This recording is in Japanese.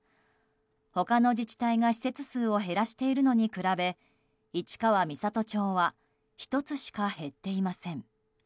他の自治体が施設数を減らしているのに比べ市川三郷町は１つしか減っていません。